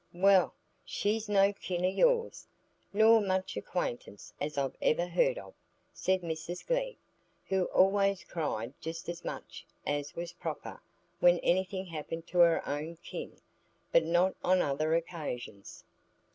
"Well, she's no kin o' yours, nor much acquaintance as I've ever heared of," said Mrs Glegg, who always cried just as much as was proper when anything happened to her own "kin," but not on other occasions.